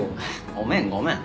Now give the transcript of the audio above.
ごめんごめん。